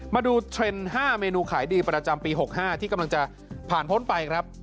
มาดูเทรนด์๕เมนูขายดีประจำปี๖๕ที่กำลังจะผ่านพ้นไปครับ